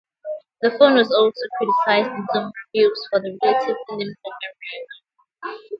The phone was also criticised in some reviews for the relatively limited memory available.